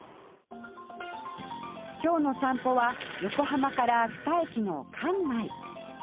今日の散歩は横浜から二駅の関内